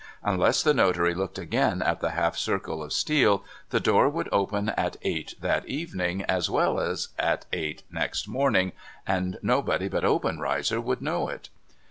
Unless the notary looked again at the half circle of steel, the door would open at eight that evening, as well as at eight next morning, and nobody but Obenreizer would know it.)